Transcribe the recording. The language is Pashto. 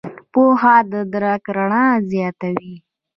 پوهه د درک رڼا زیاتوي.